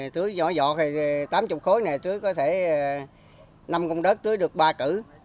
tưới nhỏ nhọt thì tám mươi khối này tưới có thể năm con đất tưới được ba cử